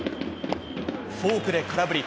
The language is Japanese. フォークで空振り。